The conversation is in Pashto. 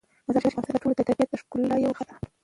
مزارشریف د افغانستان د ټول طبیعت د ښکلا یوه برخه ده.